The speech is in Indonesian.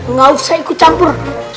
nggak usah ikut campur